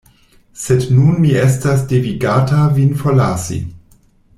Sed nun mi estas devigata vin forlasi.